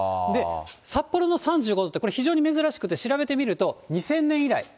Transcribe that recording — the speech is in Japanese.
札幌の３５度って、非常に珍しくて調べてみると、２０００年以来。